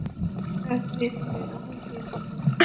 রাজবীরকে আবার বিয়ে করালাম।